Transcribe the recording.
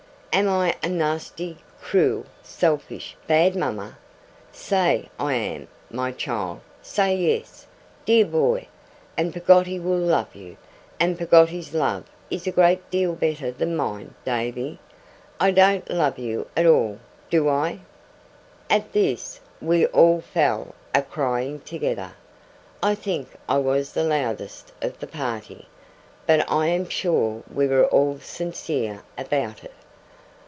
Am I a nasty, cruel, selfish, bad mama? Say I am, my child; say "yes", dear boy, and Peggotty will love you; and Peggotty's love is a great deal better than mine, Davy. I don't love you at all, do I?' At this, we all fell a crying together. I think I was the loudest of the party, but I am sure we were all sincere about it.